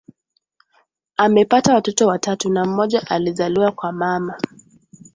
Amepata watoto watatu na mmoja alizaliwa kwa mama